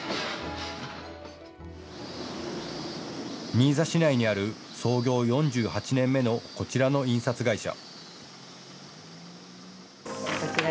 新座市内にある創業４８年目のこちらの印刷会社。